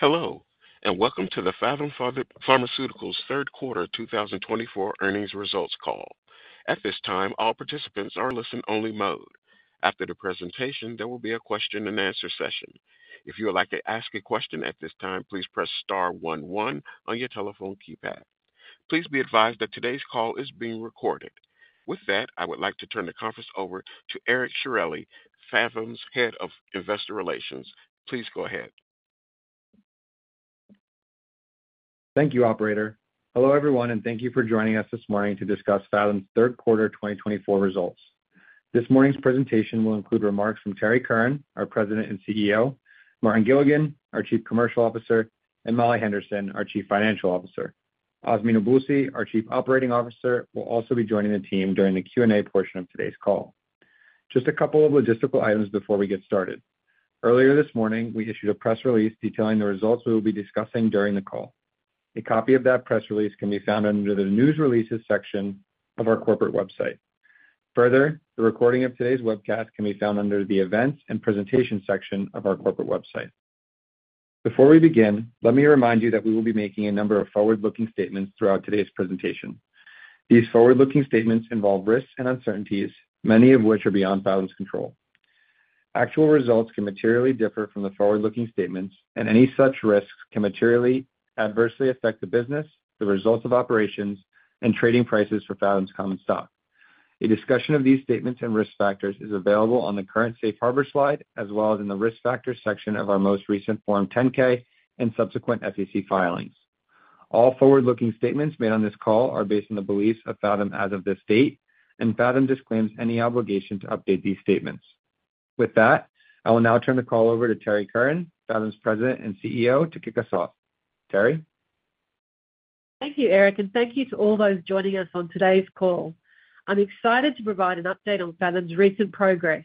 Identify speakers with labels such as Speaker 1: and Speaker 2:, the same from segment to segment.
Speaker 1: Hello, and welcome to the Phathom Pharmaceuticals' Third Quarter 2024 Earnings Results Call. At this time, all participants are in listen-only mode. After the presentation, there will be a question-and-answer session. If you would like to ask a question at this time, please press star one one on your telephone keypad. Please be advised that today's call is being recorded. With that, I would like to turn the conference over to Eric Sciorilli, Phathom's Head of Investor Relations. Please go ahead.
Speaker 2: Thank you, Operator. Hello, everyone, and thank you for joining us this morning to discuss Phathom's third quarter 2024 results. This morning's presentation will include remarks from Terrie Curran, our President and CEO, Martin Gilligan, our Chief Commercial Officer, and Molly Henderson, our Chief Financial Officer. Azmi Nabulsi, our Chief Operating Officer, will also be joining the team during the Q&A portion of today's call. Just a couple of logistical items before we get started. Earlier this morning, we issued a press release detailing the results we will be discussing during the call. A copy of that press release can be found under the News Releases section of our corporate website. Further, the recording of today's webcast can be found under the Events and Presentations section of our corporate website. Before we begin, let me remind you that we will be making a number of forward-looking statements throughout today's presentation. These forward-looking statements involve risks and uncertainties, many of which are beyond Phathom's control. Actual results can materially differ from the forward-looking statements, and any such risks can materially adversely affect the business, the results of operations, and trading prices for Phathom's common stock. A discussion of these statements and risk factors is available on the current Safe Harbor slide, as well as in the risk factors section of our most recent Form 10-K and subsequent SEC filings. All forward-looking statements made on this call are based on the beliefs of Phathom as of this date, and Phathom disclaims any obligation to update these statements. With that, I will now turn the call over to Terrie Curran, Phathom's President and CEO, to kick us off. Terrie.
Speaker 3: Thank you, Eric, and thank you to all those joining us on today's call. I'm excited to provide an update on Phathom's recent progress.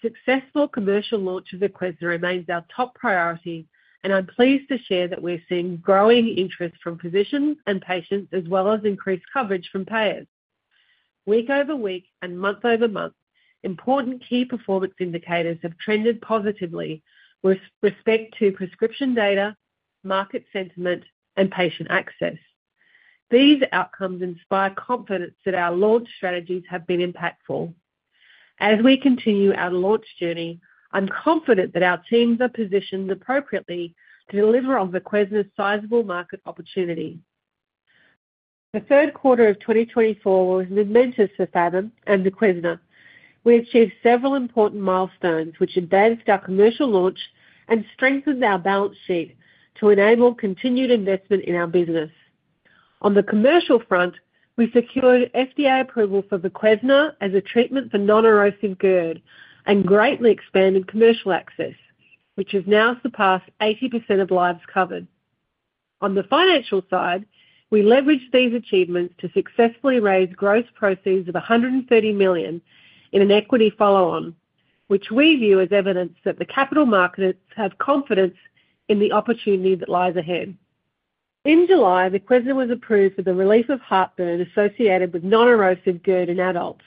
Speaker 3: Successful commercial launches at Voquezna remains our top priority, and I'm pleased to share that we're seeing growing interest from physicians and patients, as well as increased coverage from payers. Week over week and month over month, important key performance indicators have trended positively with respect to prescription data, market sentiment, and patient access. These outcomes inspire confidence that our launch strategies have been impactful. As we continue our launch journey, I'm confident that our teams are positioned appropriately to deliver on the Voquezna's sizable market opportunity. The third quarter of 2024 was momentous for Phathom and the Voquezna. We achieved several important milestones, which advanced our commercial launch and strengthened our balance sheet to enable continued investment in our business. On the commercial front, we secured FDA approval for Voquezna as a treatment for non-erosive GERD and greatly expanded commercial access, which has now surpassed 80% of lives covered. On the financial side, we leveraged these achievements to successfully raise gross proceeds of $130 million in an equity follow-on, which we view as evidence that the capital markets have confidence in the opportunity that lies ahead. In July, Voquezna was approved for the relief of heartburn associated with non-erosive GERD in adults.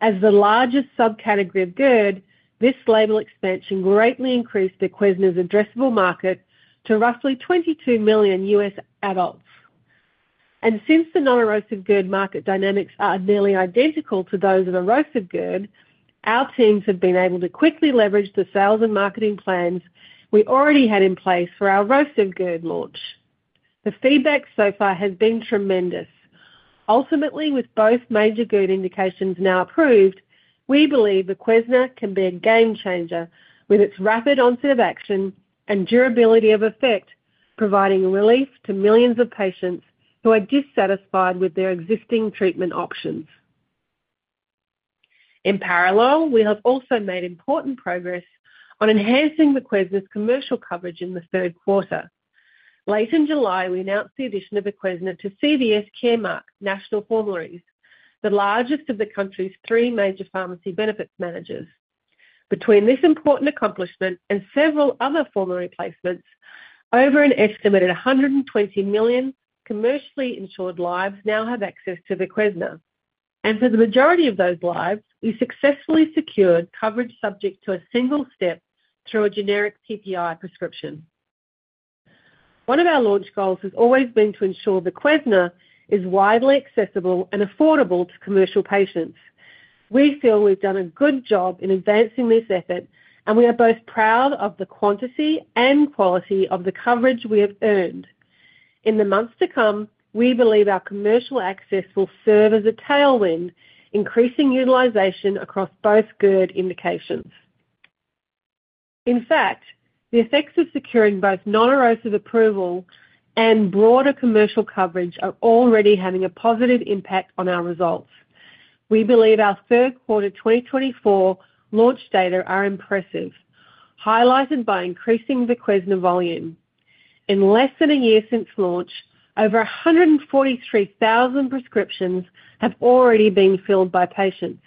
Speaker 3: As the largest subcategory of GERD, this label expansion greatly increased Voquezna's addressable market to roughly 22 million U.S. adults, and since the non-erosive GERD market dynamics are nearly identical to those of erosive GERD, our teams have been able to quickly leverage the sales and marketing plans we already had in place for our erosive GERD launch. The feedback so far has been tremendous. Ultimately, with both major GERD indications now approved, we believe the Voquezna can be a game changer with its rapid onset of action and durability of effect, providing relief to millions of patients who are dissatisfied with their existing treatment options. In parallel, we have also made important progress on enhancing the Voquezna's commercial coverage in the third quarter. Late in July, we announced the addition of the Voquezna to CVS Caremark National Formularies, the largest of the country's three major pharmacy benefits managers. Between this important accomplishment and several other formulary placements, over an estimated 120 million commercially insured lives now have access to the Voquezna, and for the majority of those lives, we successfully secured coverage subject to a single step through a generic PPI prescription. One of our launch goals has always been to ensure the Voquezna is widely accessible and affordable to commercial patients. We feel we've done a good job in advancing this effort, and we are both proud of the quantity and quality of the coverage we have earned. In the months to come, we believe our commercial access will serve as a tailwind, increasing utilization across both GERD indications. In fact, the effects of securing both non-erosive approval and broader commercial coverage are already having a positive impact on our results. We believe our third quarter 2024 launch data are impressive, highlighted by increasing the Voquezna volume. In less than a year since launch, over 143,000 prescriptions have already been filled by patients.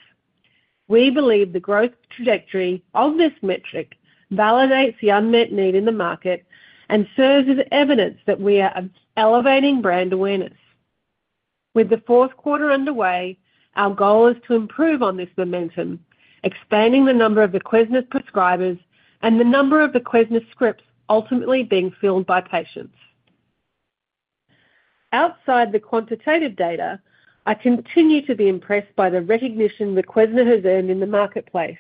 Speaker 3: We believe the growth trajectory of this metric validates the unmet need in the market and serves as evidence that we are elevating brand awareness. With the fourth quarter underway, our goal is to improve on this momentum, expanding the number of the Voquezna prescribers and the number of the Voquezna scripts ultimately being filled by patients. Outside the quantitative data, I continue to be impressed by the recognition the Voquezna has earned in the marketplace.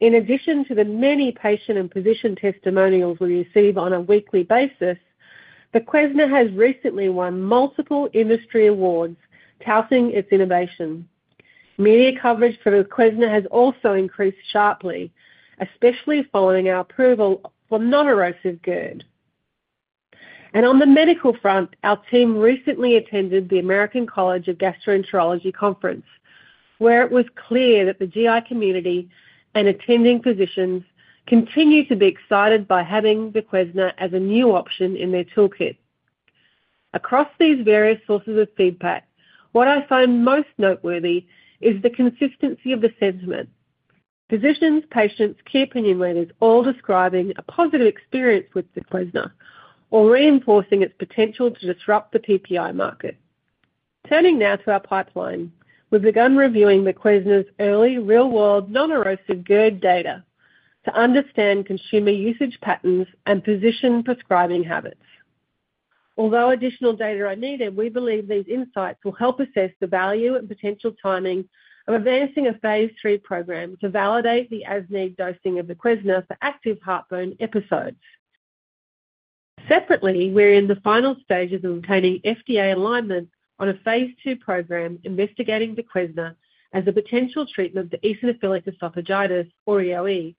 Speaker 3: In addition to the many patient and physician testimonials we receive on a weekly basis, the Voquezna has recently won multiple industry awards, touting its innovation. Media coverage for the Voquezna has also increased sharply, especially following our approval for non-erosive GERD, and on the medical front, our team recently attended the American College of Gastroenterology conference, where it was clear that the GI community and attending physicians continue to be excited by having the Voquezna as a new option in their toolkit. Across these various sources of feedback, what I find most noteworthy is the consistency of the sentiment. Physicians, patients, and key opinion leaders all describing a positive experience with the Voquezna or reinforcing its potential to disrupt the PPI market. Turning now to our pipeline, we've begun reviewing the Voquezna's early real-world non-erosive GERD data to understand consumer usage patterns and physician prescribing habits. Although additional data are needed, we believe these insights will help assess the value and potential timing of advancing a phase III program to validate the as-needed dosing of the Voquezna for active heartburn episodes. Separately, we're in the final stages of obtaining FDA alignment on a phase II program investigating the Voquezna as a potential treatment for eosinophilic esophagitis, or EoE,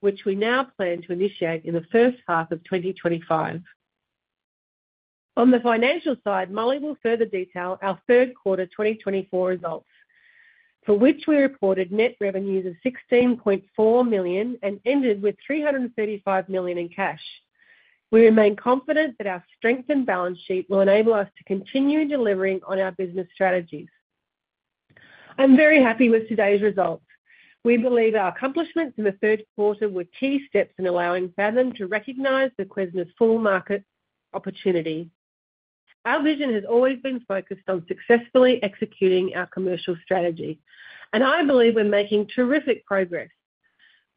Speaker 3: which we now plan to initiate in the first half of 2025. On the financial side, Molly will further detail our third quarter 2024 results, for which we reported net revenues of $16.4 million and ended with $335 million in cash. We remain confident that our strengthened balance sheet will enable us to continue delivering on our business strategies. I'm very happy with today's results. We believe our accomplishments in the third quarter were key steps in allowing Phathom to recognize the Voquezna's full market opportunity. Our vision has always been focused on successfully executing our commercial strategy, and I believe we're making terrific progress.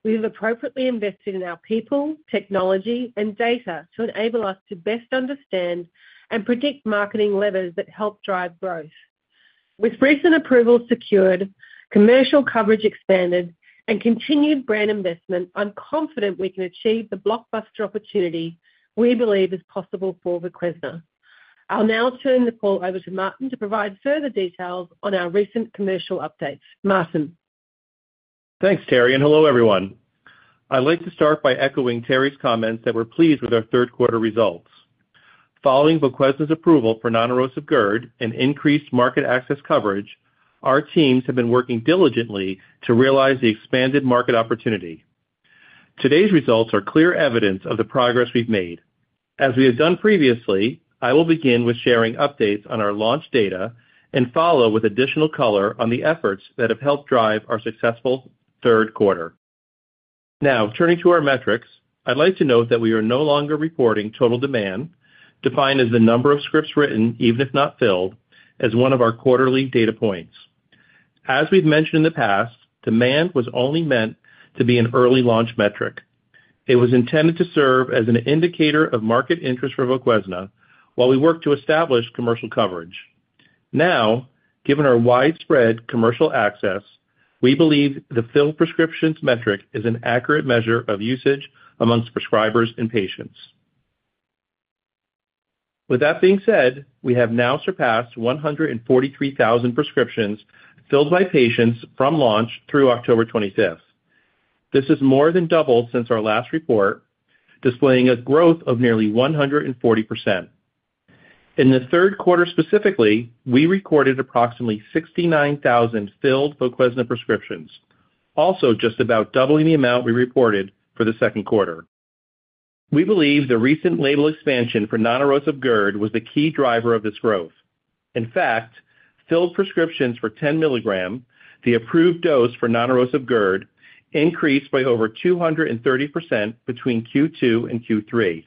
Speaker 3: We have appropriately invested in our people, technology, and data to enable us to best understand and predict marketing levers that help drive growth. With recent approvals secured, commercial coverage expanded, and continued brand investment, I'm confident we can achieve the blockbuster opportunity we believe is possible for the Voquezna. I'll now turn the call over to Martin to provide further details on our recent commercial updates. Martin.
Speaker 4: Thanks, Terrie, and hello, everyone. I'd like to start by echoing Terrie's comments that we're pleased with our third quarter results. Following the Voquezna's approval for non-erosive GERD and increased market access coverage, our teams have been working diligently to realize the expanded market opportunity. Today's results are clear evidence of the progress we've made. As we have done previously, I will begin with sharing updates on our launch data and follow with additional color on the efforts that have helped drive our successful third quarter. Now, turning to our metrics, I'd like to note that we are no longer reporting total demand, defined as the number of scripts written, even if not filled, as one of our quarterly data points. As we've mentioned in the past, demand was only meant to be an early launch metric. It was intended to serve as an indicator of market interest for the Voquezna while we worked to establish commercial coverage. Now, given our widespread commercial access, we believe the filled prescriptions metric is an accurate measure of usage amongst prescribers and patients. With that being said, we have now surpassed 143,000 prescriptions filled by patients from launch through October 25th. This has more than doubled since our last report, displaying a growth of nearly 140%. In the third quarter specifically, we recorded approximately 69,000 filled Voquezna prescriptions, also just about doubling the amount we reported for the second quarter. We believe the recent label expansion for non-erosive GERD was the key driver of this growth. In fact, filled prescriptions for 10 milligram, the approved dose for non-erosive GERD, increased by over 230% between Q2 and Q3.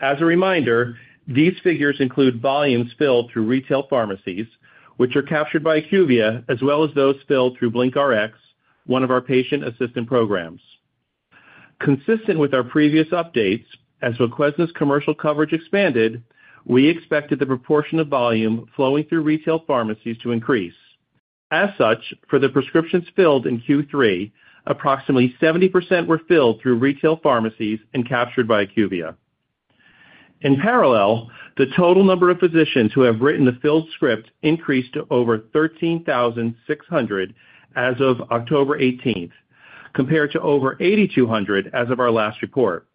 Speaker 4: As a reminder, these figures include volumes filled through retail pharmacies, which are captured by IQVIA, as well as those filled through BlinkRx, one of our patient assistance programs. Consistent with our previous updates, as the Voquezna's commercial coverage expanded, we expected the proportion of volume flowing through retail pharmacies to increase. As such, for the prescriptions filled in Q3, approximately 70% were filled through retail pharmacies and captured by IQVIA. In parallel, the total number of physicians who have written the filled script increased to over 13,600 as of October 18th, compared to over 8,200 as of our last report.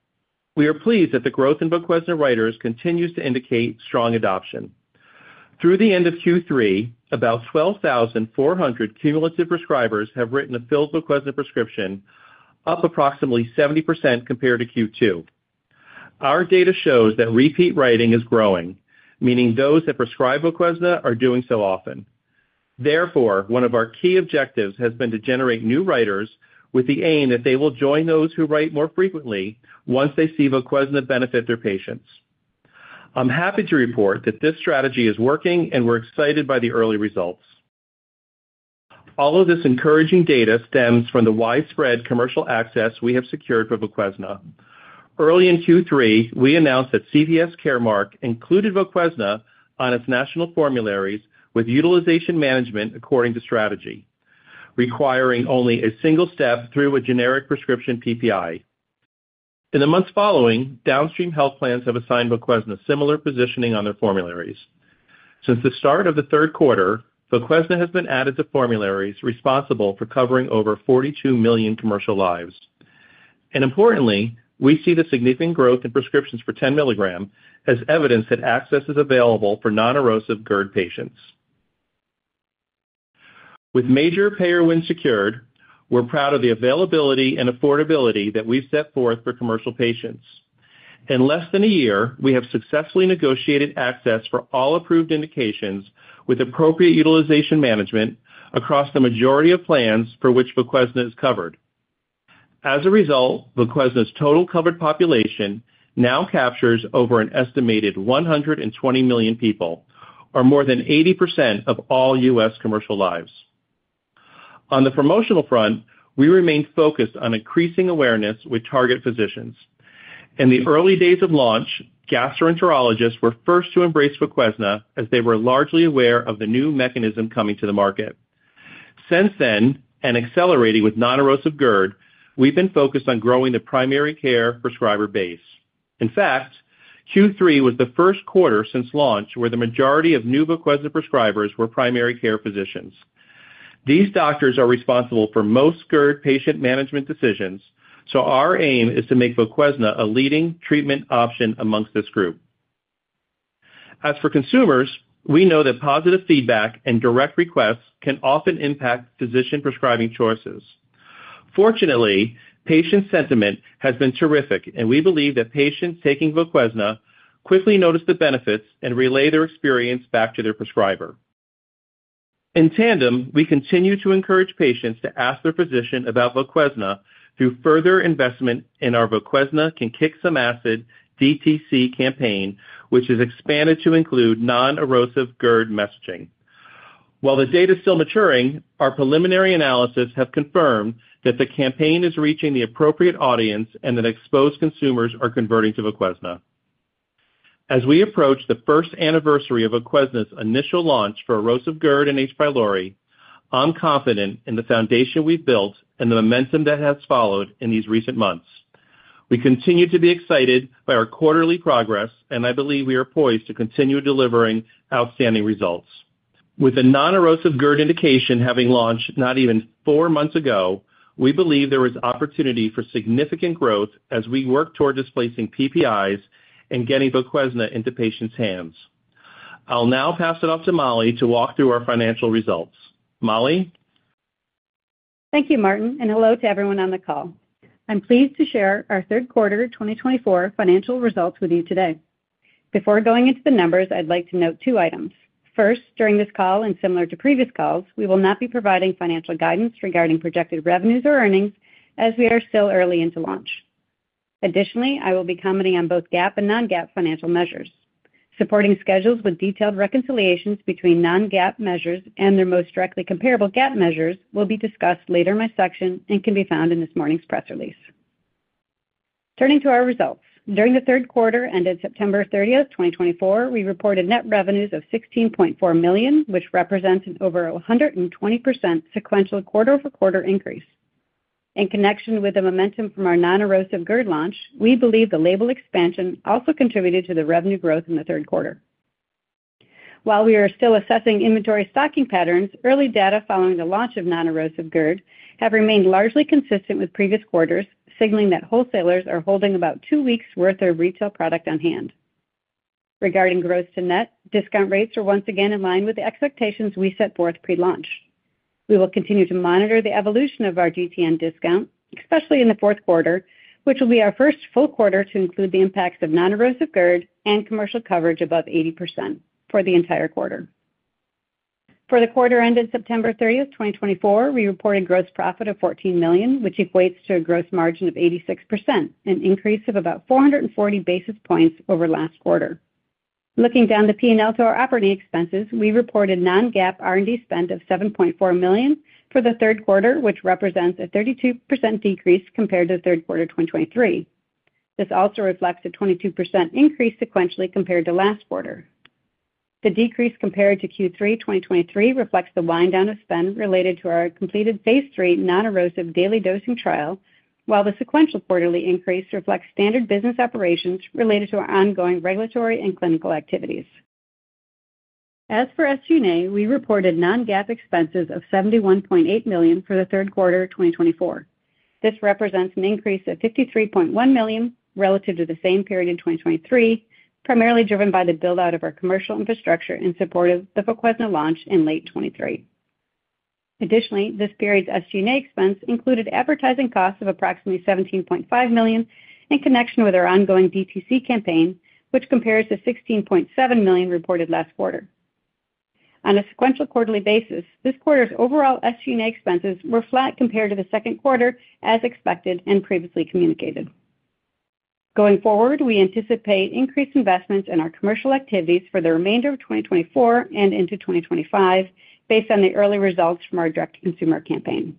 Speaker 4: We are pleased that the growth in the Voquezna writers continues to indicate strong adoption. Through the end of Q3, about 12,400 cumulative prescribers have written a filled Voquezna prescription, up approximately 70% compared to Q2. Our data shows that repeat writing is growing, meaning those that prescribe the Voquezna are doing so often. Therefore, one of our key objectives has been to generate new writers with the aim that they will join those who write more frequently once they see the Voquezna benefit their patients. I'm happy to report that this strategy is working, and we're excited by the early results. All of this encouraging data stems from the widespread commercial access we have secured for the Voquezna. Early in Q3, we announced that CVS Caremark included the Voquezna on its national formularies with utilization management according to strategy, requiring only a single step through a generic prescription PPI. In the months following, downstream health plans have assigned the Voquezna similar positioning on their formularies. Since the start of the third quarter, the Voquezna has been added to formularies responsible for covering over 42 million commercial lives. Importantly, we see the significant growth in prescriptions for 10-milligram as evidence that access is available for non-erosive GERD patients. With major payer wins secured, we're proud of the availability and affordability that we've set forth for commercial patients. In less than a year, we have successfully negotiated access for all approved indications with appropriate utilization management across the majority of plans for which the Voquezna is covered. As a result, the Voquezna's total covered population now captures over an estimated 120 million people, or more than 80% of all U.S. commercial lives. On the promotional front, we remain focused on increasing awareness with target physicians. In the early days of launch, gastroenterologists were first to embrace the Voquezna as they were largely aware of the new mechanism coming to the market. Since then, and accelerating with non-erosive GERD, we've been focused on growing the primary care prescriber base. In fact, Q3 was the first quarter since launch where the majority of new Voquezna prescribers were primary care physicians. These doctors are responsible for most GERD patient management decisions, so our aim is to make the Voquezna a leading treatment option among this group. As for consumers, we know that positive feedback and direct requests can often impact physician prescribing choices. Fortunately, patient sentiment has been terrific, and we believe that patients taking the Voquezna quickly notice the benefits and relay their experience back to their prescriber. In tandem, we continue to encourage patients to ask their physician about the Voquezna through further investment in our Voquezna Can Kick Some Acid DTC campaign, which is expanded to include non-erosive GERD messaging. While the data is still maturing, our preliminary analysis has confirmed that the campaign is reaching the appropriate audience and that exposed consumers are converting to the Voquezna. As we approach the first anniversary of the Voquezna's initial launch for erosive GERD and H. pylori, I'm confident in the foundation we've built and the momentum that has followed in these recent months. We continue to be excited by our quarterly progress, and I believe we are poised to continue delivering outstanding results. With a non-erosive GERD indication having launched not even four months ago, we believe there is opportunity for significant growth as we work toward displacing PPIs and getting the Voquezna into patients' hands. I'll now pass it off to Molly to walk through our financial results. Molly.
Speaker 5: Thank you, Martin, and hello to everyone on the call. I'm pleased to share our third quarter 2024 financial results with you today. Before going into the numbers, I'd like to note two items. First, during this call and similar to previous calls, we will not be providing financial guidance regarding projected revenues or earnings as we are still early into launch. Additionally, I will be commenting on both GAAP and non-GAAP financial measures. Supporting schedules with detailed reconciliations between non-GAAP measures and their most directly comparable GAAP measures will be discussed later in my section and can be found in this morning's press release. Turning to our results, during the third quarter ended September 30th, 2024, we reported net revenues of $16.4 million, which represents an over 120% sequential quarter-over-quarter increase. In connection with the momentum from our non-erosive GERD launch, we believe the label expansion also contributed to the revenue growth in the third quarter. While we are still assessing inventory stocking patterns, early data following the launch of Non-erosive GERD have remained largely consistent with previous quarters, signaling that wholesalers are holding about two weeks' worth of retail product on hand. Regarding gross to net, discount rates are once again in line with the expectations we set forth pre-launch. We will continue to monitor the evolution of our GTN discount, especially in the fourth quarter, which will be our first full quarter to include the impacts of non-erosive GERD and commercial coverage above 80% for the entire quarter. For the quarter ended September 30th, 2024, we reported gross profit of $14 million, which equates to a gross margin of 86%, an increase of about 440 basis points over last quarter. Looking down the P&L to our operating expenses, we reported non-GAAP R&D spend of $7.4 million for the third quarter, which represents a 32% decrease compared to the third quarter 2023. This also reflects a 22% increase sequentially compared to last quarter. The decrease compared to Q3 2023 reflects the wind-down of spend related to our completed phase III non-erosive daily dosing trial, while the sequential quarterly increase reflects standard business operations related to our ongoing regulatory and clinical activities. As for SG&A, we reported non-GAAP expenses of $71.8 million for the third quarter 2024. This represents an increase of $53.1 million relative to the same period in 2023, primarily driven by the build-out of our commercial infrastructure in support of the Voquezna launch in late 2023. Additionally, this period's SG&A expense included advertising costs of approximately $17.5 million in connection with our ongoing DTC campaign, which compares to $16.7 million reported last quarter. On a sequential quarterly basis, this quarter's overall SG&A expenses were flat compared to the second quarter, as expected and previously communicated. Going forward, we anticipate increased investments in our commercial activities for the remainder of 2024 and into 2025, based on the early results from our direct-to-consumer campaign.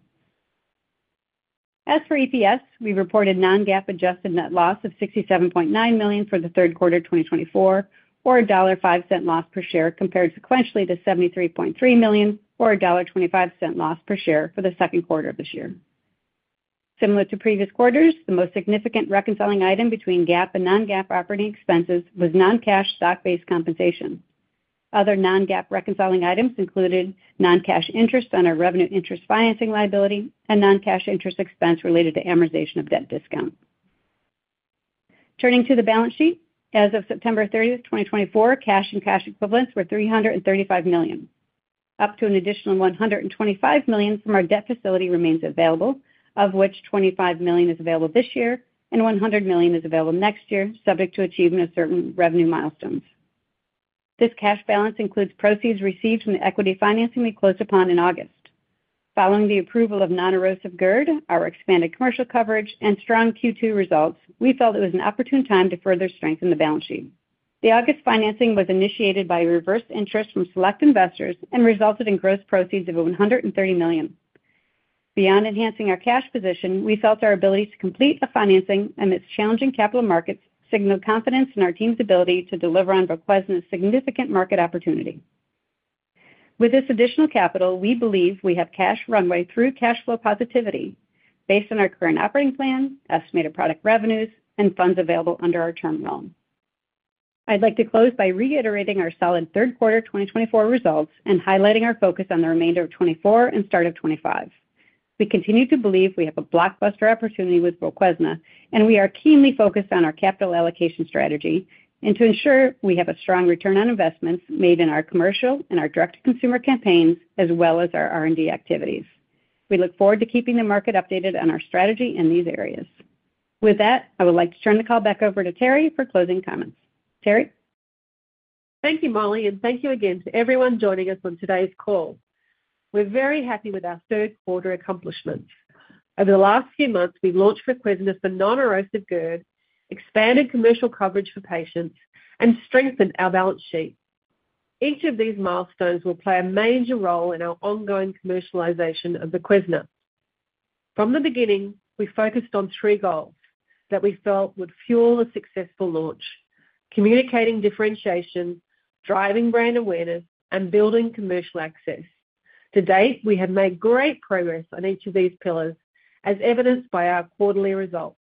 Speaker 5: As for EPS, we reported non-GAAP adjusted net loss of $67.9 million for the third quarter 2024, or $1.05 loss per share, compared sequentially to $73.3 million, or $1.25 loss per share for the second quarter of this year. Similar to previous quarters, the most significant reconciling item between GAAP and non-GAAP operating expenses was non-cash stock-based compensation. Other non-GAAP reconciling items included non-cash interest on our revenue interest financing liability and non-cash interest expense related to amortization of debt discount. Turning to the balance sheet, as of September 30th, 2024, cash and cash equivalents were $335 million, up to an additional $125 million from our debt facility remains available, of which $25 million is available this year and $100 million is available next year, subject to achievement of certain revenue milestones. This cash balance includes proceeds received from the equity financing we closed upon in August. Following the approval of Non-erosive GERD, our expanded commercial coverage, and strong Q2 results, we felt it was an opportune time to further strengthen the balance sheet. The August financing was initiated by reversed interest from select investors and resulted in gross proceeds of $130 million. Beyond enhancing our cash position, we felt our ability to complete the financing amidst challenging capital markets signaled confidence in our team's ability to deliver on Voquezna's significant market opportunity. With this additional capital, we believe we have cash runway through cash flow positivity, based on our current operating plan, estimated product revenues, and funds available under our term loan. I'd like to close by reiterating our solid third quarter 2024 results and highlighting our focus on the remainder of 2024 and start of 2025. We continue to believe we have a blockbuster opportunity with Voquezna, and we are keenly focused on our capital allocation strategy and to ensure we have a strong return on investments made in our commercial and our direct-to-consumer campaigns, as well as our R&D activities. We look forward to keeping the market updated on our strategy in these areas. With that, I would like to turn the call back over to Terrie for closing comments. Terrie.
Speaker 3: Thank you, Molly, and thank you again to everyone joining us on today's call. We're very happy with our third quarter accomplishments. Over the last few months, we've launched Voquezna for non-erosive GERD, expanded commercial coverage for patients, and strengthened our balance sheet. Each of these milestones will play a major role in our ongoing commercialization of the Voquezna. From the beginning, we focused on three goals that we felt would fuel a successful launch: communicating differentiation, driving brand awareness, and building commercial access. To date, we have made great progress on each of these pillars, as evidenced by our quarterly results.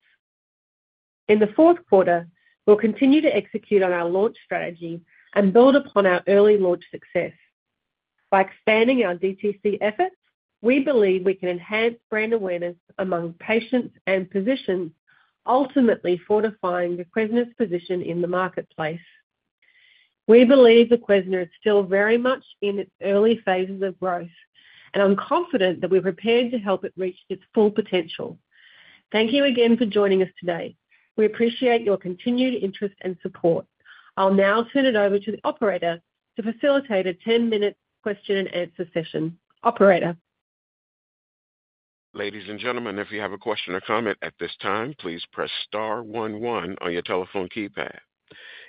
Speaker 3: In the fourth quarter, we'll continue to execute on our launch strategy and build upon our early launch success. By expanding our DTC efforts, we believe we can enhance brand awareness among patients and physicians, ultimately fortifying the Voquezna's position in the marketplace. We believe Voquezna is still very much in its early phases of growth, and I'm confident that we're prepared to help it reach its full potential. Thank you again for joining us today. We appreciate your continued interest and support. I'll now turn it over to the operator to facilitate a 10-minute question and answer session. Operator.
Speaker 1: Ladies and gentlemen, if you have a question or comment at this time, please press star 11 on your telephone keypad.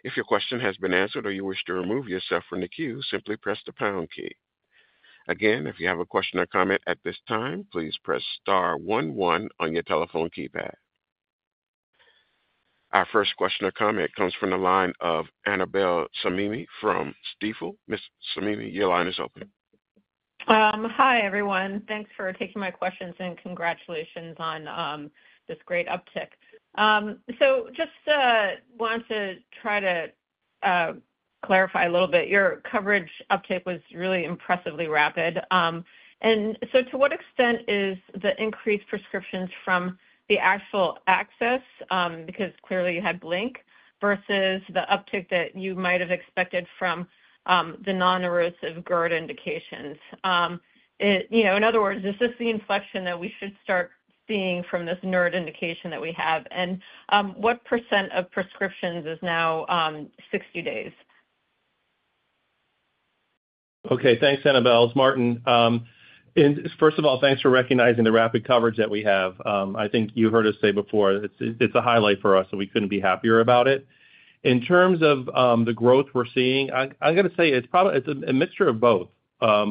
Speaker 1: If your question has been answered or you wish to remove yourself from the queue, simply press the pound key. Again, if you have a question or comment at this time, please press star one one on your telephone keypad. Our first question or comment comes from the line of Annabel Samimy from Stifel. Ms. Samimy, your line is open.
Speaker 6: Hi, everyone. Thanks for taking my questions and congratulations on this great uptick. So just wanted to try to clarify a little bit. Your coverage uptick was really impressively rapid. And so to what extent is the increased prescriptions from the actual access, because clearly you had Blink versus the uptick that you might have expected from the non-erosive GERD indications? In other words, is this the inflection that we should start seeing from this NERD indication that we have? And what % of prescriptions is now 60 days?
Speaker 4: Okay. Thanks, Annabel. Martin, first of all, thanks for recognizing the rapid coverage that we have. I think you heard us say before, it's a highlight for us, so we couldn't be happier about it. In terms of the growth we're seeing, I'm going to say it's a mixture of both.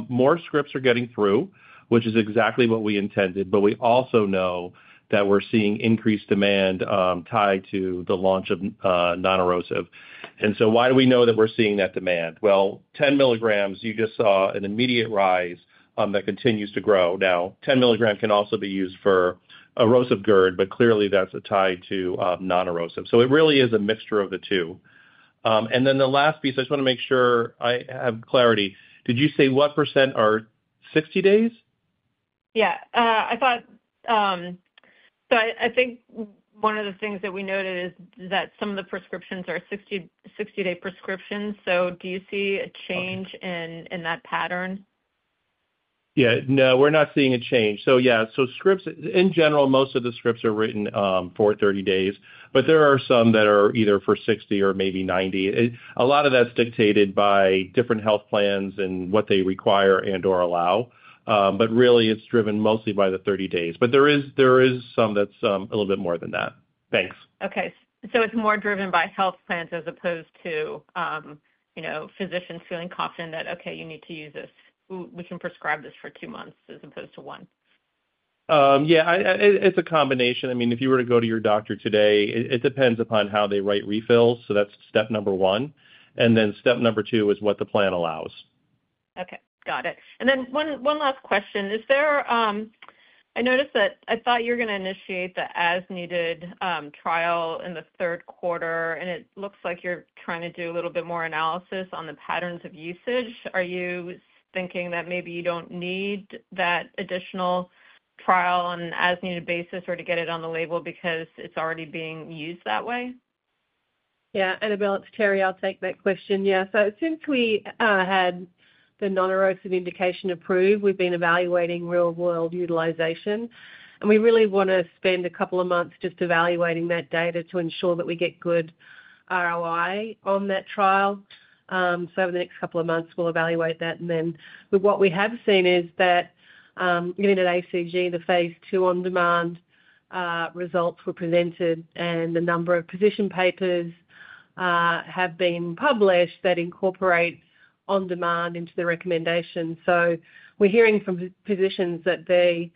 Speaker 4: More scripts are getting through, which is exactly what we intended, but we also know that we're seeing increased demand tied to the launch of non-erosive. And so why do we know that we're seeing that demand? Well, 10 milligrams, you just saw an immediate rise that continues to grow. Now, 10 milligram can also be used for erosive GERD, but clearly that's tied to non-erosive. So it really is a mixture of the two. And then the last piece, I just want to make sure I have clarity. Did you say what % are 60 days?
Speaker 6: Yeah. So I think one of the things that we noted is that some of the prescriptions are 60-day prescriptions. So do you see a change in that pattern?
Speaker 4: Yeah. No, we're not seeing a change. So yeah, so scripts, in general, most of the scripts are written for 30 days, but there are some that are either for 60 or maybe 90. A lot of that's dictated by different health plans and what they require and/or allow. But really, it's driven mostly by the 30 days. But there is some that's a little bit more than that. Thanks.
Speaker 6: Okay. So it's more driven by health plans as opposed to physicians feeling confident that, "Okay, you need to use this. We can prescribe this for two months as opposed to one.
Speaker 4: Yeah. It's a combination. I mean, if you were to go to your doctor today, it depends upon how they write refills, so that's step number one, and then step number two is what the plan allows.
Speaker 6: Okay. Got it. And then one last question. I noticed that I thought you were going to initiate the as-needed trial in the third quarter, and it looks like you're trying to do a little bit more analysis on the patterns of usage. Are you thinking that maybe you don't need that additional trial on an as-needed basis or to get it on the label because it's already being used that way?
Speaker 3: Yeah. Annabel, Terrie, I'll take that question. Yeah. So since we had the non-erosive indication approved, we've been evaluating real-world utilization. And we really want to spend a couple of months just evaluating that data to ensure that we get good ROI on that trial. So over the next couple of months, we'll evaluate that. And then what we have seen is that, getting at ACG, the phase II on-demand results were presented, and the number of position papers have been published that incorporate on-demand into the recommendation. So we're hearing from physicians that the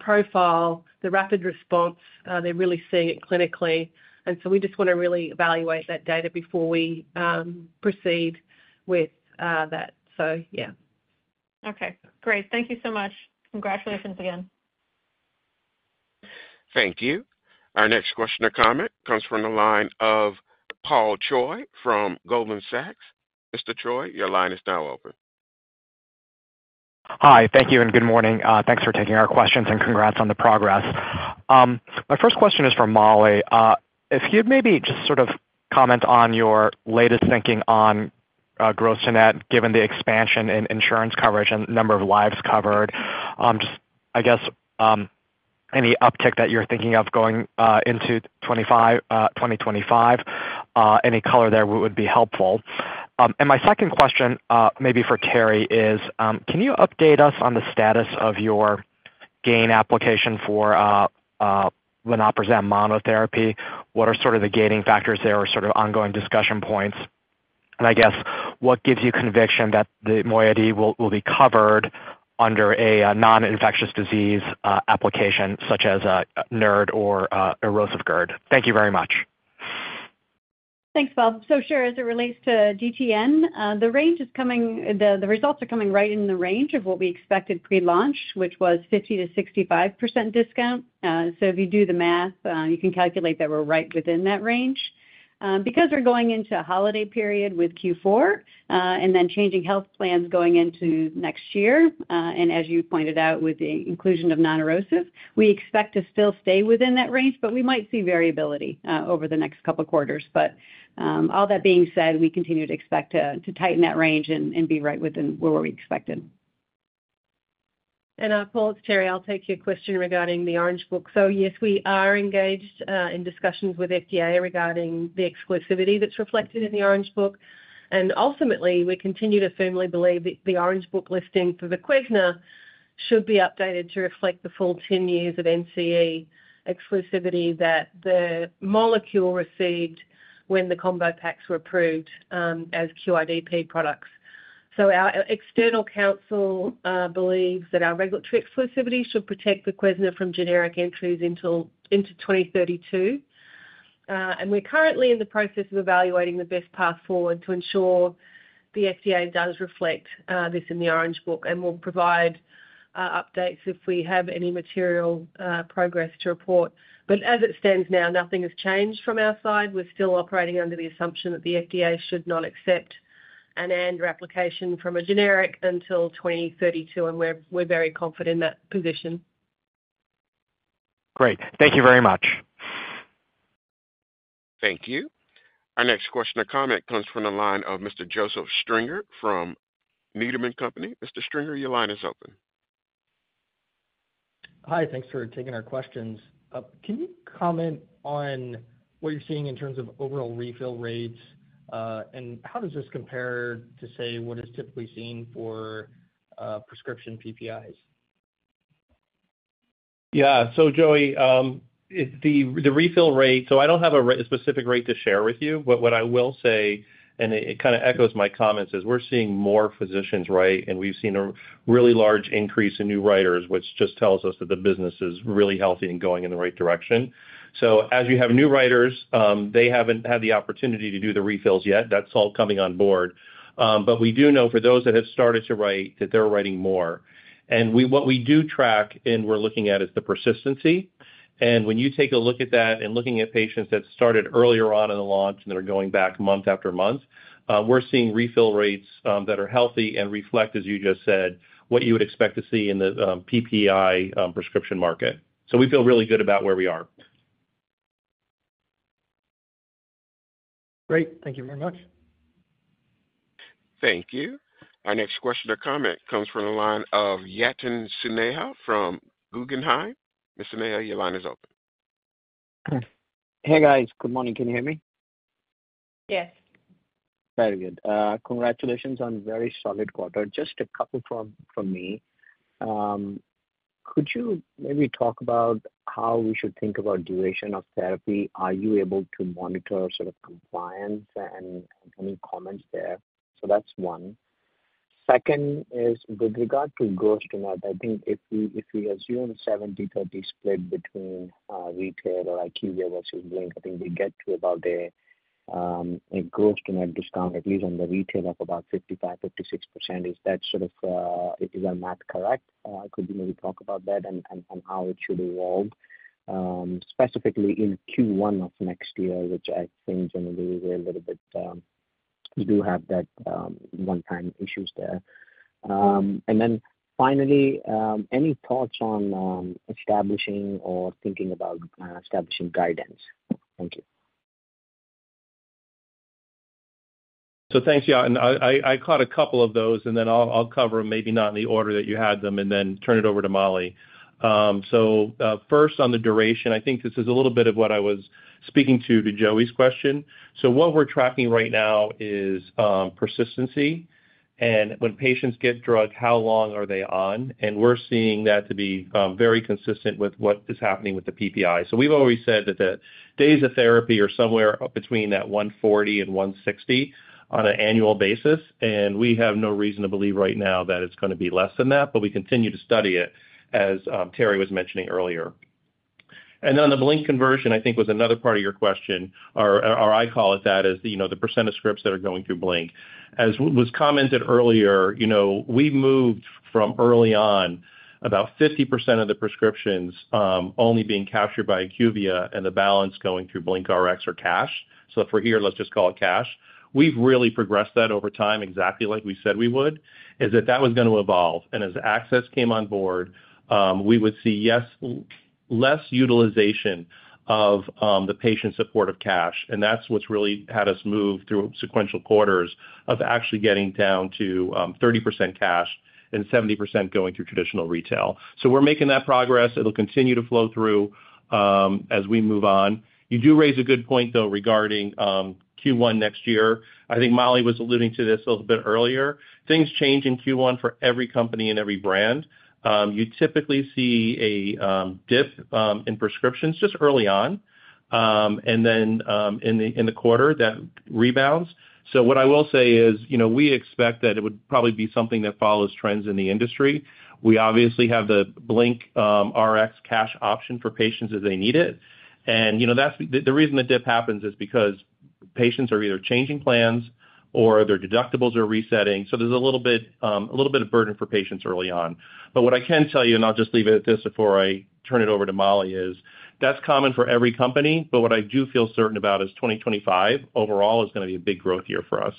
Speaker 3: profile, the rapid response, they're really seeing it clinically. And so we just want to really evaluate that data before we proceed with that. So yeah.
Speaker 6: Okay. Great. Thank you so much. Congratulations again.
Speaker 1: Thank you. Our next question or comment comes from the line of Paul Choi from Goldman Sachs. Mr. Choi, your line is now open.
Speaker 7: Hi. Thank you and good morning. Thanks for taking our questions and congrats on the progress. My first question is for Molly. If you'd maybe just sort of comment on your latest thinking on gross to net, given the expansion in insurance coverage and number of lives covered, just I guess any uptick that you're thinking of going into 2025, any color there would be helpful. And my second question, maybe for Terrie, is can you update us on the status of your GAIN application for vonoprazan monotherapy? What are sort of the gating factors there or sort of ongoing discussion points? And I guess, what gives you conviction that the moiety will be covered under a non-infectious disease application such as NERD or erosive GERD? Thank you very much.
Speaker 5: Thanks, Paul. So sure, as it relates to GTN, the results are coming right in the range of what we expected pre-launch, which was 50%-65% discount. So if you do the math, you can calculate that we're right within that range. Because we're going into a holiday period with Q4 and then changing health plans going into next year, and as you pointed out with the inclusion of non-erosive, we expect to still stay within that range, but we might see variability over the next couple of quarters. But all that being said, we continue to expect to tighten that range and be right within where we expected.
Speaker 3: Paul, Terrie, I'll take your question regarding the Orange Book. Yes, we are engaged in discussions with FDA regarding the exclusivity that's reflected in the Orange Book. Ultimately, we continue to firmly believe that the Orange Book listing for the Voquezna should be updated to reflect the full 10 years of NCE exclusivity that the molecule received when the combo packs were approved as QIDP products. Our external counsel believes that our regulatory exclusivity should protect the Voquezna from generic entries into 2032. We're currently in the process of evaluating the best path forward to ensure the FDA does reflect this in the Orange Book and will provide updates if we have any material progress to report. As it stands now, nothing has changed from our side. We're still operating under the assumption that the FDA should not accept an ANDA application from a generic until 2032, and we're very confident in that position.
Speaker 7: Great. Thank you very much.
Speaker 1: Thank you. Our next question or comment comes from the line of Mr. Joseph Stringer from Needham & Company. Mr. Stringer, your line is open.
Speaker 8: Hi. Thanks for taking our questions. Can you comment on what you're seeing in terms of overall refill rates, and how does this compare to, say, what is typically seen for prescription PPIs?
Speaker 4: Yeah. So Joe, the refill rate, so I don't have a specific rate to share with you, but what I will say, and it kind of echoes my comments, is we're seeing more physicians write, and we've seen a really large increase in new writers, which just tells us that the business is really healthy and going in the right direction. So as you have new writers, they haven't had the opportunity to do the refills yet. That's all coming on board. But we do know for those that have started to write that they're writing more. And what we do track and we're looking at is the persistency. And when you take a look at that and looking at patients that started earlier on in the launch and that are going back month after month, we're seeing refill rates that are healthy and reflect, as you just said, what you would expect to see in the PPI prescription market. So we feel really good about where we are.
Speaker 8: Great. Thank you very much.
Speaker 1: Thank you. Our next question or comment comes from the line of Yatin Suneja from Guggenheim. Suneja, your line is open.
Speaker 9: Hey, guys. Good morning. Can you hear me?
Speaker 3: Yes.
Speaker 9: Very good. Congratulations on a very solid quarter. Just a couple from me. Could you maybe talk about how we should think about duration of therapy? Are you able to monitor sort of compliance and any comments there? So that's one. Second is, with regard to gross to net, I think if we assume 70/30 split between retail or IQVIA versus BlinkRx, I think we get to about a gross to net discount, at least on the retail of about 55%-56%. Is that sort of is our math correct? Could you maybe talk about that and how it should evolve specifically in Q1 of next year, which I think generally we're a little bit we do have that one-time issues there. And then finally, any thoughts on establishing or thinking about establishing guidance? Thank you.
Speaker 4: Thanks, Yatin. I caught a couple of those, and then I'll cover them maybe not in the order that you had them and then turn it over to Molly. First, on the duration, I think this is a little bit of what I was speaking to, to Joe's question. What we're tracking right now is persistency. And when patients get drugged, how long are they on? And we're seeing that to be very consistent with what is happening with the PPI. We've always said that the days of therapy are somewhere between 140 and 160 on an annual basis. We have no reason to believe right now that it's going to be less than that, but we continue to study it, as Terrie was mentioning earlier. And then the Blink conversion, I think, was another part of your question, or I call it that: the percent of scripts that are going through Blink. As was commented earlier, we moved from early on about 50% of the prescriptions only being captured by IQVIA and the balance going through BlinkRx or cash. So if we're here, let's just call it cash. We've really progressed that over time, exactly like we said we would: that that was going to evolve. And as access came on board, we would see, yes, less utilization of the patient support of cash. And that's what's really had us move through sequential quarters of actually getting down to 30% cash and 70% going through traditional retail. So we're making that progress. It'll continue to flow through as we move on. You do raise a good point, though, regarding Q1 next year. I think Molly was alluding to this a little bit earlier. Things change in Q1 for every company and every brand. You typically see a dip in prescriptions just early on, and then in the quarter, that rebounds. So what I will say is we expect that it would probably be something that follows trends in the industry. We obviously have the BlinkRx cash option for patients as they need it. And the reason the dip happens is because patients are either changing plans or their deductibles are resetting. So there's a little bit of burden for patients early on. But what I can tell you, and I'll just leave it at this before I turn it over to Molly, is that's common for every company. But what I do feel certain about is 2025 overall is going to be a big growth year for us.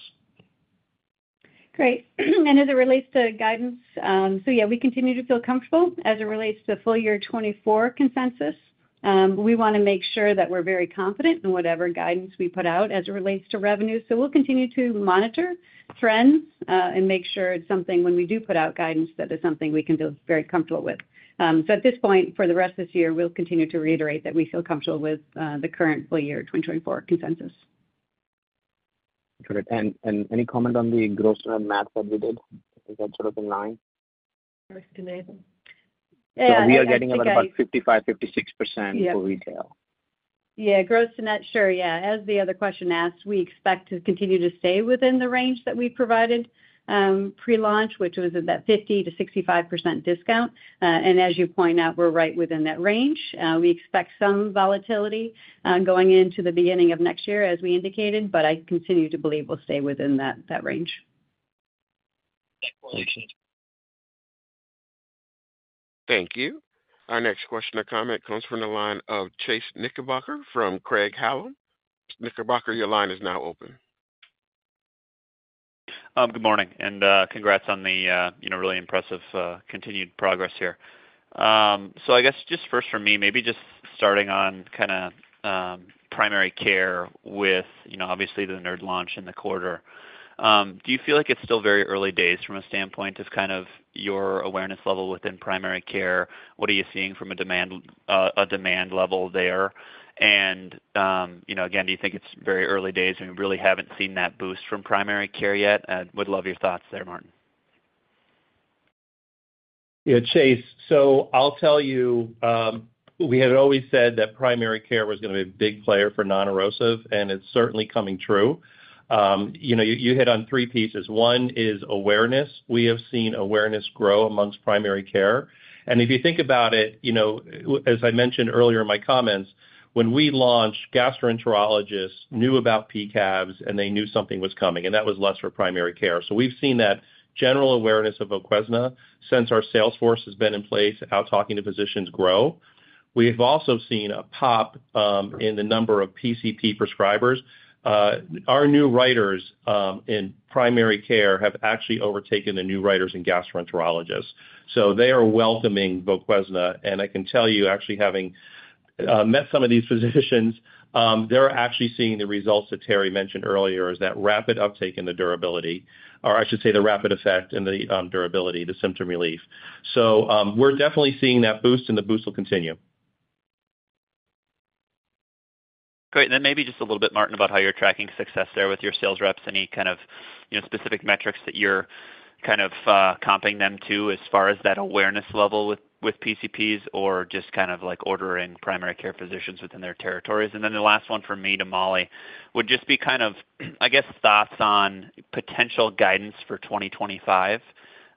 Speaker 5: Great. And as it relates to guidance, so yeah, we continue to feel comfortable as it relates to full year 2024 consensus. We want to make sure that we're very confident in whatever guidance we put out as it relates to revenue. So we'll continue to monitor trends and make sure it's something when we do put out guidance that is something we can feel very comfortable with. So at this point, for the rest of this year, we'll continue to reiterate that we feel comfortable with the current full year 2024 consensus.
Speaker 9: Got it. And any comment on the gross to net math that we did? Is that sort of in line? We are getting about 55%-56% for retail.
Speaker 5: Yeah. Gross to net, sure. Yeah. As the other question asked, we expect to continue to stay within the range that we provided pre-launch, which was that 50%-65% discount. And as you point out, we're right within that range. We expect some volatility going into the beginning of next year, as we indicated, but I continue to believe we'll stay within that range.
Speaker 1: Thank you. Our next question or comment comes from the line of Chase Knickerbocker from Craig-Hallum. Knickerbocker, your line is now open.
Speaker 10: Good morning, and congrats on the really impressive continued progress here, so I guess just first for me, maybe just starting on kind of primary care with obviously the NERD launch in the quarter. Do you feel like it's still very early days from a standpoint of kind of your awareness level within primary care? What are you seeing from a demand level there and again, do you think it's very early days? We really haven't seen that boost from primary care yet. I would love your thoughts there, Martin.
Speaker 4: Yeah. Chase, so I'll tell you, we had always said that primary care was going to be a big player for non-erosive, and it's certainly coming true. You hit on three pieces. One is awareness. We have seen awareness grow amongst primary care. And if you think about it, as I mentioned earlier in my comments, when we launched, gastroenterologists knew about P-CABs, and they knew something was coming. And that was less for primary care. So we've seen that general awareness of Voquezna since our salesforce has been in place, how talking to physicians grow. We've also seen a pop in the number of PCP prescribers. Our new writers in primary care have actually overtaken the new writers in gastroenterologists. So they are welcoming Voquezna. I can tell you, actually having met some of these physicians, they're actually seeing the results that Terrie mentioned earlier is that rapid uptake in the durability, or I should say the rapid effect and the durability, the symptom relief. So we're definitely seeing that boost, and the boost will continue.
Speaker 10: Great. And then maybe just a little bit, Martin, about how you're tracking success there with your sales reps. Any kind of specific metrics that you're kind of comping them to as far as that awareness level with PCPs or just kind of ordering primary care physicians within their territories? And then the last one for me to Molly would just be kind of, I guess, thoughts on potential guidance for 2025.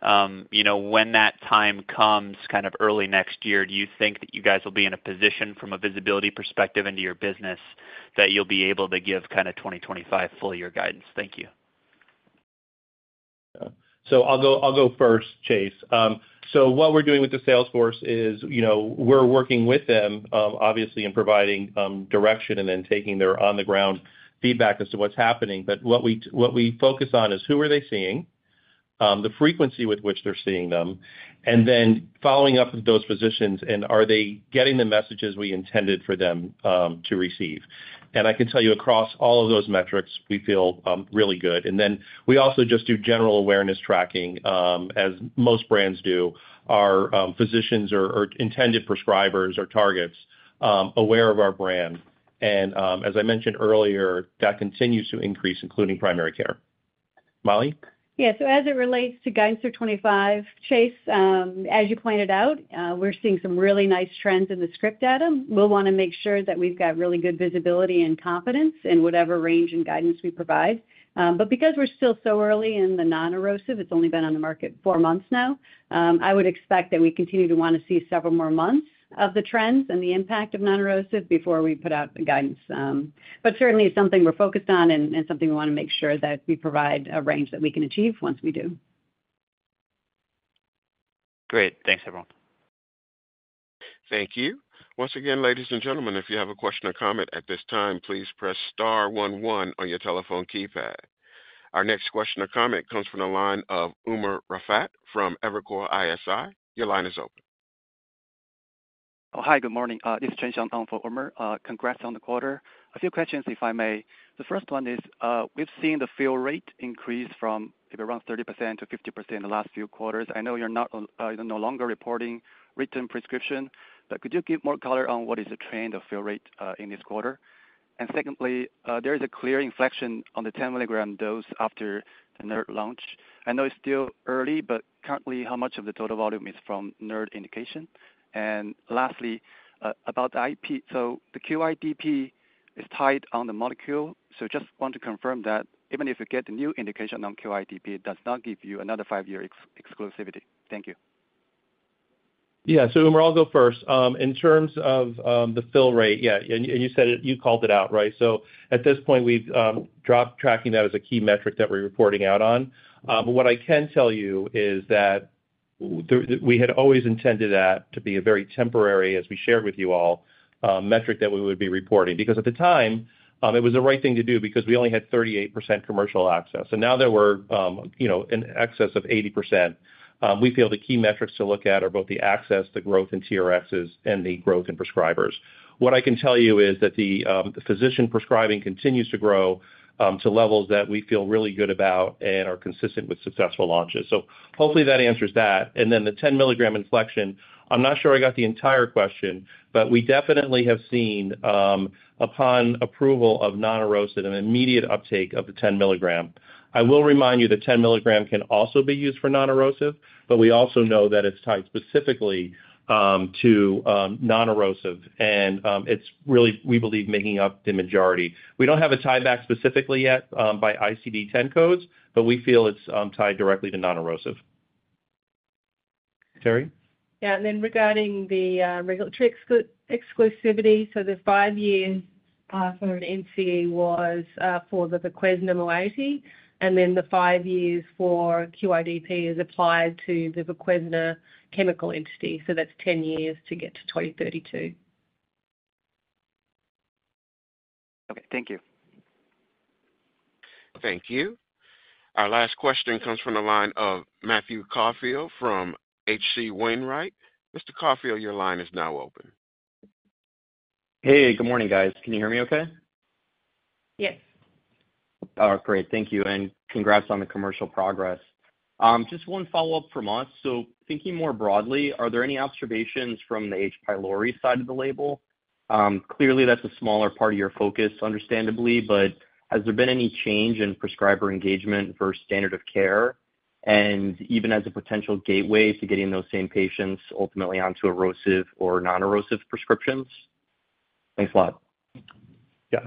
Speaker 10: When that time comes kind of early next year, do you think that you guys will be in a position, from a visibility perspective into your business, that you'll be able to give kind of 2025 full year guidance? Thank you.
Speaker 4: I'll go first, Chase. What we're doing with the salesforce is we're working with them, obviously, in providing direction and then taking their on-the-ground feedback as to what's happening. But what we focus on is who are they seeing, the frequency with which they're seeing them, and then following up with those physicians, and are they getting the messages we intended for them to receive? I can tell you, across all of those metrics, we feel really good. We also just do general awareness tracking, as most brands do, are physicians or intended prescribers or targets aware of our brand. As I mentioned earlier, that continues to increase, including primary care. Molly?
Speaker 5: Yeah, so as it relates to guidance for 2025, Chase, as you pointed out, we're seeing some really nice trends in the script data. We'll want to make sure that we've got really good visibility and confidence in whatever range and guidance we provide, but because we're still so early in the non-erosive, it's only been on the market four months now, I would expect that we continue to want to see several more months of the trends and the impact of non-erosive before we put out the guidance, but certainly, it's something we're focused on and something we want to make sure that we provide a range that we can achieve once we do.
Speaker 10: Great. Thanks, everyone.
Speaker 1: Thank you. Once again, ladies and gentlemen, if you have a question or comment at this time, please press star 11 on your telephone keypad. Our next question or comment comes from the line of Umer Raffat from Evercore ISI. Your line is open. Hi. Good morning. This is [Alan Chen] for Umer Raffat. Congrats on the quarter. A few questions, if I may. The first one is we've seen the fill rate increase from maybe around 30%-50% in the last few quarters. I know you're no longer reporting written prescription, but could you give more color on what is the trend of fill rate in this quarter? And secondly, there is a clear inflection on the 10-milligram dose after the NERD launch. I know it's still early, but currently, how much of the total volume is from NERD indication? And lastly, about the IP, so the QIDP is tied on the molecule. So just want to confirm that even if you get the new indication on QIDP, it does not give you another five-year exclusivity. Thank you.
Speaker 4: Yeah. So Umer, I'll go first. In terms of the fill rate, yeah, and you said you called it out, right? So at this point, we've dropped tracking that as a key metric that we're reporting out on. But what I can tell you is that we had always intended that to be a very temporary, as we shared with you all, metric that we would be reporting. Because at the time, it was the right thing to do because we only had 38% commercial access. And now that we're in excess of 80%, we feel the key metrics to look at are both the access, the growth in TRXs, and the growth in prescribers. What I can tell you is that the physician prescribing continues to grow to levels that we feel really good about and are consistent with successful launches. So hopefully, that answers that. And then the 10-milligram inflection. I'm not sure I got the entire question, but we definitely have seen, upon approval of non-erosive, an immediate uptake of the 10-milligram. I will remind you that 10-milligram can also be used for non-erosive, but we also know that it's tied specifically to non-erosive. And it's really, we believe, making up the majority. We don't have a tieback specifically yet by ICD-10 codes, but we feel it's tied directly to non-erosive. Terrie?
Speaker 3: Yeah. And then regarding the regulatory exclusivity, so the five years for NCE was for the Voquezna moiety, and then the five years for QIDP is applied to the Voquezna chemical entity. So that's 10 years to get to 2032. Okay. Thank you.
Speaker 1: Thank you. Our last question comes from the line of Matthew Caulfield from H.C. Wainwright. Mr. Caulfield, your line is now open.
Speaker 11: Hey. Good morning, guys. Can you hear me okay?
Speaker 3: Yes.
Speaker 11: All right. Great. Thank you and congrats on the commercial progress. Just one follow-up from us, so thinking more broadly, are there any observations from the H. pylori side of the label? Clearly, that's a smaller part of your focus, understandably. But has there been any change in prescriber engagement for standard of care and even as a potential gateway to getting those same patients ultimately onto erosive or non-erosive prescriptions? Thanks a lot.
Speaker 4: Yes,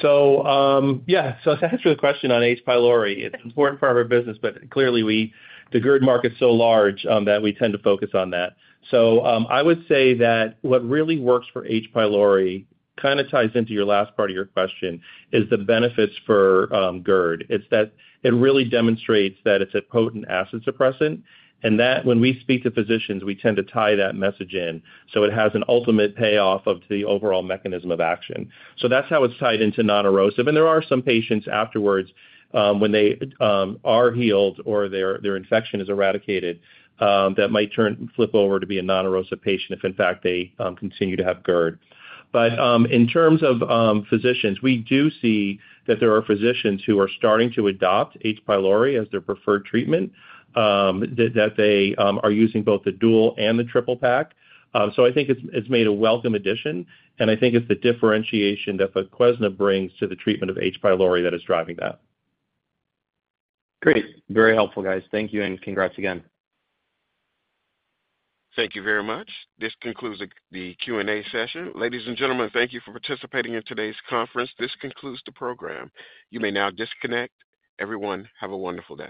Speaker 4: so yeah, so to answer the question on H. pylori, it's important for our business, but clearly, the GERD market's so large that we tend to focus on that, so I would say that what really works for H. pylori, kind of ties into your last part of your question, is the benefits for GERD. It's that it really demonstrates that it's a potent acid suppressant. And that when we speak to physicians, we tend to tie that message in. So it has an ultimate payoff of the overall mechanism of action. So that's how it's tied into non-erosive. And there are some patients afterwards, when they are healed or their infection is eradicated, that might flip over to be a non-erosive patient if, in fact, they continue to have GERD. But in terms of physicians, we do see that there are physicians who are starting to adopt H. pylori as their preferred treatment, that they are using both the Dual and the Triple Pak. So I think it's made a welcome addition. And I think it's the differentiation that Voquezna brings to the treatment of H. pylori that is driving that.
Speaker 11: Great. Very helpful, guys. Thank you. And congrats again.
Speaker 1: Thank you very much. This concludes the Q&A session. Ladies and gentlemen, thank you for participating in today's conference. This concludes the program. You may now disconnect. Everyone, have a wonderful day.